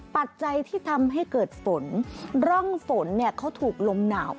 ปัจจัยที่ทำให้เกิดฝนร่องฝนเนี่ยเขาถูกลมหนาว